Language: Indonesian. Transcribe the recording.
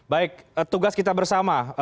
baik tugas kita bersama